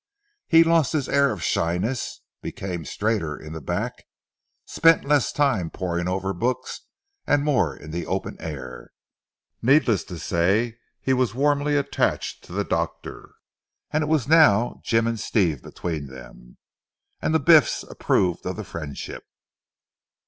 He lost his air of shyness, became straighter in the back, spent less time poring over books and more in the open air. Needless to say he was warmly attached to the doctor, and it was now "Jim and Steve" between them. And the Biffs approved of the friendship.